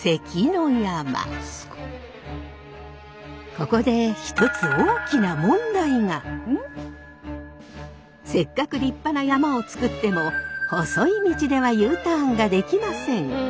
ここで一つせっかく立派な山車を作っても細い道ではＵターンができません。